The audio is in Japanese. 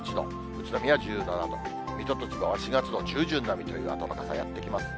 宇都宮は１７度、水戸と千葉は、４月の中旬並みという暖かさ、やって来ます。